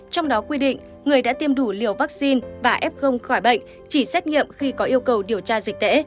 trong đó quy định người đã tiêm đủ liều vaccine và f khỏi bệnh chỉ xét nghiệm khi có yêu cầu điều tra dịch tễ